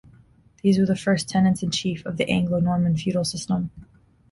These were the first tenants-in-chief of the Anglo-Norman feudal system.